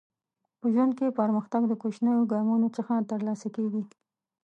په ژوند کې پرمختګ د کوچنیو ګامونو څخه ترلاسه کیږي.